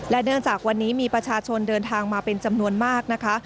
เนื่องจากวันนี้มีประชาชนเดินทางมาเป็นจำนวนมากนะคะ